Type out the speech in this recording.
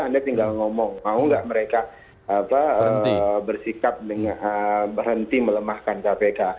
anda tinggal ngomong mau nggak mereka bersikap berhenti melemahkan kpk